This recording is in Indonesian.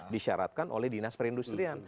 disyaratkan oleh dinas perindustrian